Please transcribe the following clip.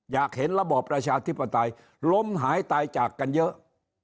อยากเห็นระบอบประชาธิปไตยล้มหายตายจากกันเยอะ